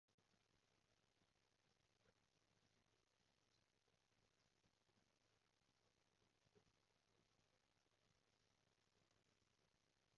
就係好多人睇新聞唔睇晒成篇，以為係樓上買兇殺個老闆，點知原來係掉返轉惡人先買兇